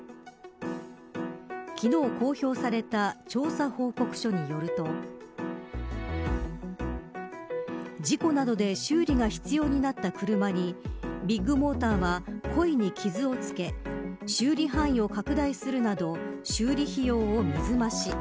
昨日公表された調査報告書によると事故などで修理が必要になった車にビッグモーターは故意に傷をつけ修理範囲を拡大するなど修理費用を水増し。